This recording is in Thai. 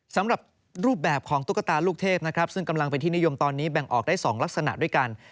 สำหรับรูปแบบของตุ๊กตาลูกเทพนะครับซึ่งกำลังเป็นที่นิยมตอนนี้แบ่งออกได้๒ลักษณะด้วยกัน